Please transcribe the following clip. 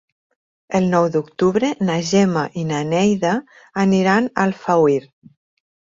El nou d'octubre na Gemma i na Neida aniran a Alfauir.